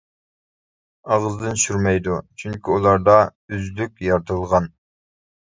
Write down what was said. ئاغزىدىن چۈشۈرمەيدۇ، چۈنكى ئۇلاردا ئۆزلۈك يارىتىلغان.